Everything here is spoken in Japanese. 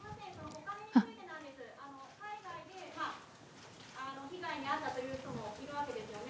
海外で被害に遭ったという人もいるわけですよね。